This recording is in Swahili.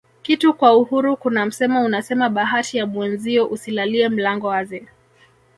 kitu kwa uhuru Kuna msemo unasema bahati ya mwenzio usilalie mlango wazi